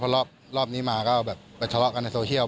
เพราะรอบนี้มาก็แบบไปทะเลาะกันในโซเชียล